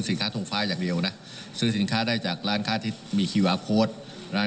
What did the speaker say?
ทงฟ้าอย่างเดียวนะซื้อสินค้าได้จากร้านค้าที่มีคีวาโค้ดร้าน